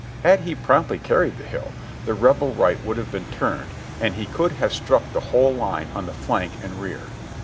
Had he promptly carried the hill, the Rebel right would have been turned and he could have struck the whole line on the flank and rear.